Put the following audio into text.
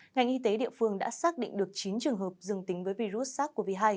ngành y tế địa phương đã xác định được chín trường hợp dương tính với virus sars cov hai